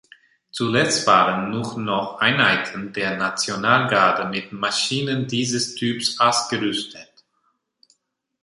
Zuletzt waren nur noch Einheiten der Nationalgarde mit Maschinen dieses Typs ausgerüstet.